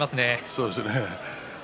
そうですね。